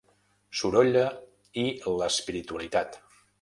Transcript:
Sorolla i l’espiritualitat.